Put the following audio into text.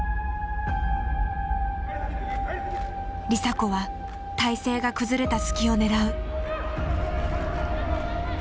梨紗子は体勢が崩れた隙を狙う。